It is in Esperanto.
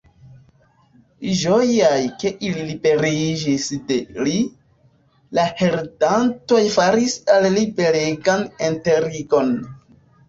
Ĝojaj, ke ili liberiĝis de li, la heredantoj faris al li belegan enterigon.